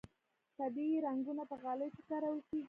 طبیعي رنګونه په غالیو کې کارول کیږي